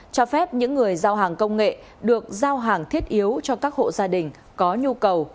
cho phép những người giao hàng công nghệ được giao hàng thiết yếu cho các hộ gia đình có nhu cầu